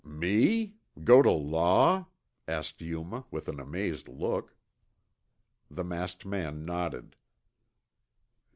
"Me? Go tuh law?" asked Yuma with an amazed look. The masked man nodded.